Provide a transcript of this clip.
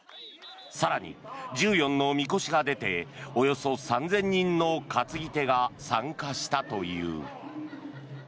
更に、１４のみこしが出ておよそ３０００人の担ぎ手が参加したという。